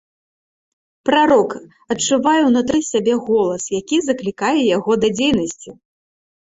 Прарок адчувае ўнутры сябе голас, які заклікае яго да дзейнасці.